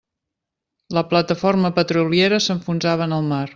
La plataforma petroliera s'enfonsava en el mar.